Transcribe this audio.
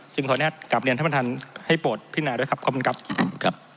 ขออนุญาตกลับเรียนท่านประธานให้โปรดพินาด้วยครับขอบคุณครับครับ